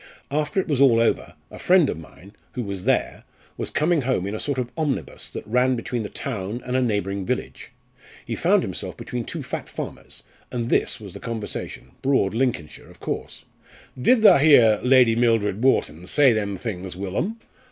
After it was all over, a friend of mine, who was there, was coming home in a sort of omnibus that ran between the town and a neighbouring village. He found himself between two fat farmers, and this was the conversation broad Lincolnshire, of course: 'Did tha hear Lady Mildred Wharton say them things, Willum?'